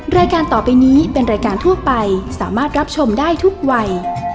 รายการต่อไปนี้เป็นรายการทั่วไปสามารถรับชมได้ทุกวัย